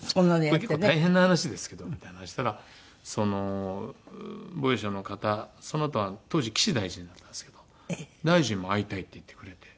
これ結構大変な話ですけどみたいな話したらその防衛省の方そのあと当時岸大臣だったんですけど大臣も会いたいって言ってくれて。